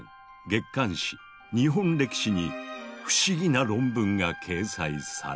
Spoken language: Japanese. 月刊誌「日本歴史」に不思議な論文が掲載された。